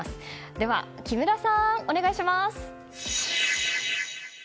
では、木村さんお願いします。